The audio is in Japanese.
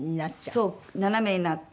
そう斜めになって。